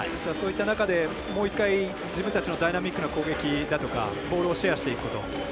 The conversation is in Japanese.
そういった中でもう一回自分たちのダイナミックな攻撃だとかボールをシェアしていくと。